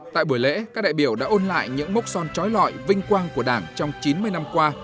tại buổi lễ các đại biểu đã ôn lại những mốc son trói lọi vinh quang của đảng trong chín mươi năm qua